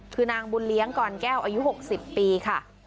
คือนางบุญเลี้ยงก่อนแก้วอายุหกสิบปีค่ะ